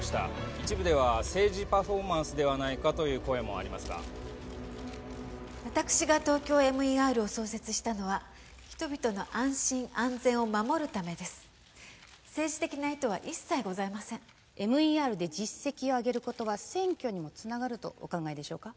一部では政治パフォーマンスではないかという声もありますが私がＴＯＫＹＯＭＥＲを創設したのは人々の安心安全を守るためです政治的な意図は一切ございませんＭＥＲで実績を上げることは選挙にもつながるとお考えでしょうか？